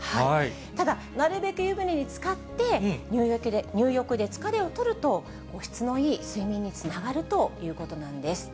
ただ、なるべく湯船につかって、入浴で疲れを取ると、質のいい睡眠につながるということなんです。